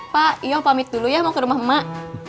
pak ayo pamit dulu ya mau ke rumah mak